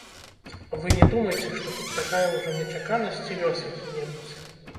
Вы не думайце, што тут такая ўжо нечаканасць ці лёс які-небудзь.